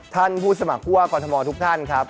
ผู้สมัครผู้ว่ากรทมทุกท่านครับ